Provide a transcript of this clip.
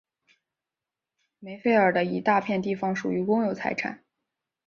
梅费尔的一大片地方属于公有财产。